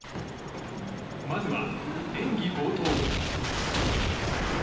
まずは演技冒頭。